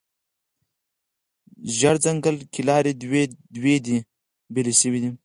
زیړ ځنګله کې لارې دوې دي، بیلې شوې